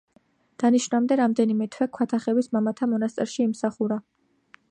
დანიშვნამდე რამდენიმე თვე ქვათახევის მამათა მონასტერში იმსახურა.